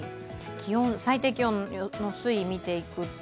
最低気温の推移を見ていくと。